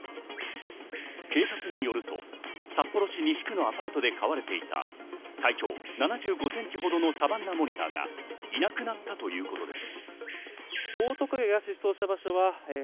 警察によると、札幌市西区のアパートで飼われていた体長７５ｃｍほどのサバンナモニターがいなくなったということです。